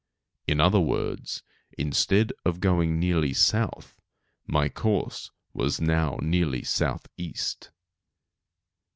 In other words, instead of going nearly south, my course was now nearly southeast.